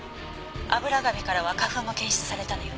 油紙からは花粉も検出されたのよね？」